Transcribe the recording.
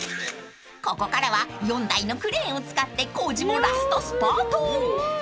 ［ここからは４台のクレーンを使って工事もラストスパート］